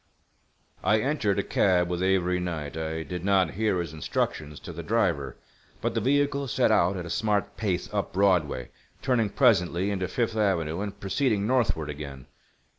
I entered a cab with Avery Knight. I did not hear his instructions to the driver, but the vehicle set out at a smart pace up Broadway, turning presently into Fifth Avenue, and proceeding northward again.